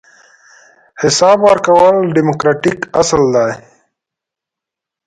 حساب ورکول دیموکراتیک اصل دی.